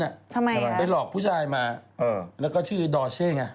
ทำไมไปหลอกผู้ชายมาแล้วก็ชื่อดอเช่ไง